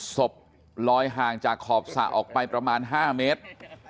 ศพลอยห่างจากขอบสระออกไปประมาณ๕เมตร